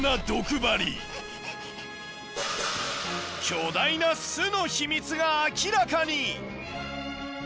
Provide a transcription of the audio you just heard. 巨大な巣の秘密が明らかに。